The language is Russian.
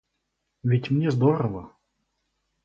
Ведь мне здорово.